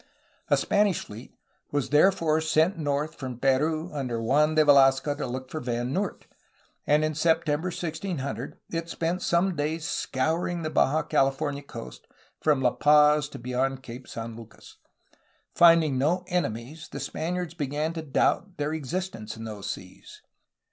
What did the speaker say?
A Spanish fleet was therefore sent north from Peru under Juan de Velasco to look for Van Noort, and in September 1600 it spent some days scouring the Baja Calif ornian coast from La Paz to beyond Cape San Lucas. Finding no enemies the Spaniards began to doubt their existence in those seas.